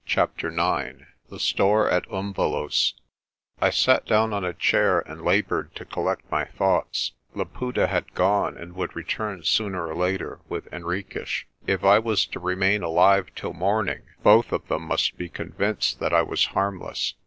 CHAPTER IX THE STORE AT UMVELOS* I SAT down on a chair and laboured to collect my thoughts. Laputa had gone, and would return sooner or later with Hen riques. If I was to remain alive till morning, both of them must be convinced that I was harmless.